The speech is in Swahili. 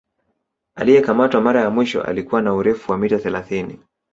Aliyekamatwa mara ya mwisho alikuwa na urefu wa mita thelathini